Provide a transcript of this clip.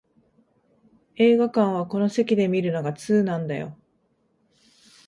映画館はこの席で観るのが通なんだよ